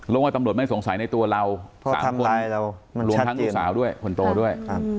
ว่าตำรวจไม่สงสัยในตัวเรา๓คนรวมทั้งลูกสาวด้วยคนโตด้วย